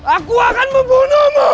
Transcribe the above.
aku akan membunuhmu